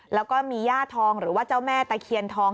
แล้วก็มีย่าทองหรือว่าเจ้าแม่ตะเคียนทอง